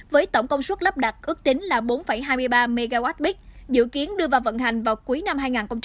với tổng công suất lắp đặt ước tính là bốn hai mươi ba mwb dự kiến đưa vào vận hành vào cuối năm hai nghìn một mươi chín